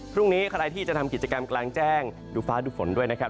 พรุ่งนี้ใครที่จะทำกิจกรรมกลางแจ้งดูฟ้าดูฝนด้วยนะครับ